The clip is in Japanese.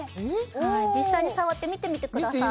実際に触って見てみてください